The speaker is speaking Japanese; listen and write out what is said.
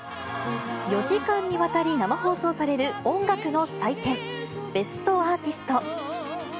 ４時間にわたり生放送される音楽の祭典、ベストアーティスト。